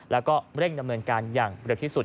แล้วก็เร่งดำเนินการอย่างเร็วที่สุด